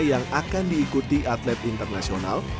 yang akan diikuti atlet internasional